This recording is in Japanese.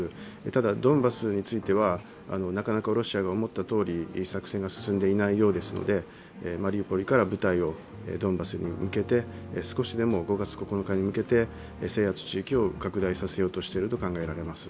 ただドンバスについては、なかなかロシアが思ったとおり作戦が進んでいないようですのでマリウポリから部隊をドンバスに向けて少しでも５月９日に向けて制圧地域を拡大させようとしていると考えられます。